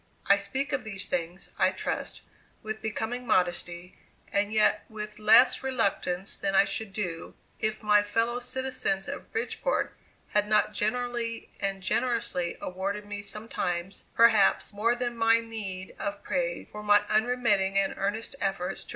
I speak of these things, I trust, with becoming modesty, and yet with less reluctance than I should do, if my fellow citizens of Bridgeport had not generally and generously awarded me sometimes, perhaps, more than my need of praise for my unremitting and earnest efforts to [Illustration: _WALDEMERE.